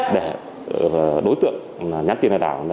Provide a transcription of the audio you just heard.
để đối tượng nhắn tiền lại đảo